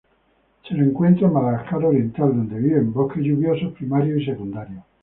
Se lo encuentra en Madagascar oriental, donde vive en bosques lluviosos primarios y secundarios.